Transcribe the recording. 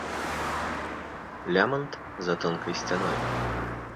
Лямант за тонкай сцяной.